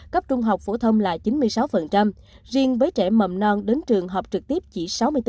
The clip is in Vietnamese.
cấp trung học phổ thông là chín mươi sáu riêng với trẻ mầm non đến trường học trực tiếp chỉ sáu mươi bốn